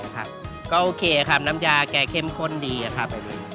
ครับก็โอเคครับน้ำยาแกเข้มข้นดีครับ